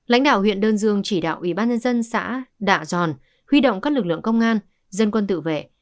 lãnh đạo huyện đơn dương chỉ đạo ủy ban nhân dân xã đạ giòn huy động các lực lượng công an dân quân tự vệ